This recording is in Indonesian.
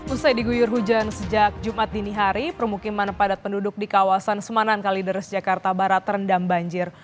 usai diguyur hujan sejak jumat dini hari permukiman padat penduduk di kawasan sumanan kalideres jakarta barat terendam banjir